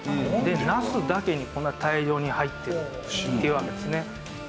ナスだけにこんな大量に入ってるっていうわけですね。